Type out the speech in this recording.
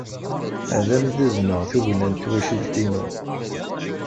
Ad am-d-azneɣ tugna n twacult-inu.